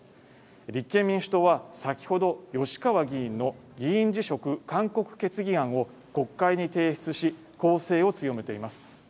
立憲民主党は先ほど吉川議員の議員辞職勧告決議案を国会に提出し攻勢を強めています